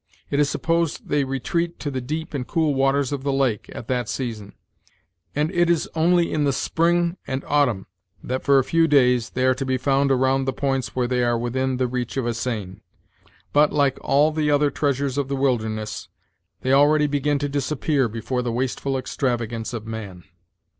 It is supposed they retreat to the deep and cool waters of the lake, at that season; and it is only in the spring and autumn that, for a few days, they are to be found around the points where they are within the reach of a seine. But, like all the other treasures of the wilderness, they already begin to disappear before the wasteful extravagance of man."